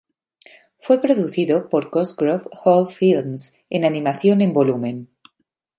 Fue producido por Cosgrove Hall Films en animación en volumen.